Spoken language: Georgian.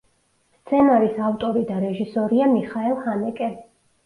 სცენარის ავტორი და რეჟისორია მიხაელ ჰანეკე.